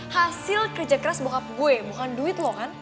hasil kerja keras bokap gue bukan duit loh kan